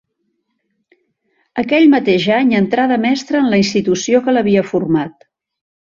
Aquell mateix any entrà de mestre en la institució que l’havia format.